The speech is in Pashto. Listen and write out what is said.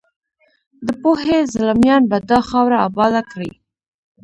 د پوهې زلمیان به دا خاوره اباده کړي.